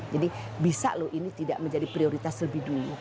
jadi bisa loh ini tidak menjadi prioritas lebih dulu